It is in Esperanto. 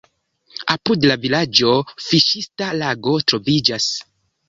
Apud la vilaĝo fiŝista lago troviĝas.